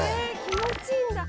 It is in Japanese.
「気持ちいいんだ」